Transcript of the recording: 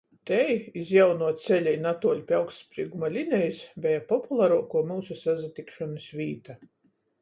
Tei, iz jaunuo ceļa i natuoļ pi augstsprīguma linejis, beja popularuokuo myusu sasatikšonys vīta.